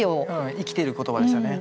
生きてる言葉でしたよね。